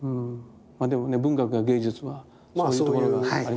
まあでもね文学や芸術はそういうところがありますよね。